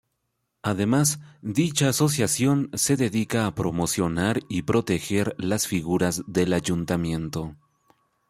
Además, dicha asociación se dedica a promocionar y proteger las figuras del Ayuntamiento.